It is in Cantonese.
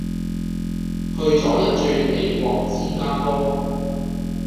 去左一轉美國芝加哥